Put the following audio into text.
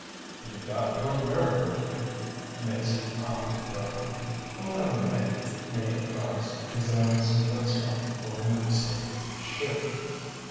"You've got your nerve with you," Maizie commented darkly. "Let him rave," May advised, exhaling cigarette smoke voluminously. "Shoot!"